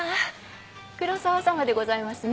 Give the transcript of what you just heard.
黒沢さまでございますね。